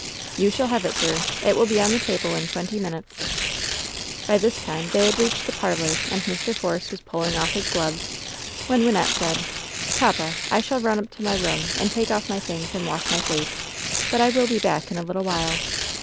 "You shall have it, sir. It will be on the table in twenty minutes.'' By this time they had reached the parlor and Mr* Force was pulling oflf his gloves, when Wynnette said : "Papa, I shall run up to my room and take off my things, and wash my face, but I will be back in a little while."